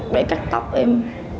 để cắt tóc em